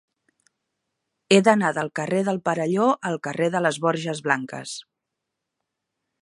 He d'anar del carrer del Perelló al carrer de les Borges Blanques.